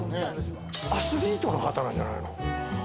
アスリートの方なんじゃないの？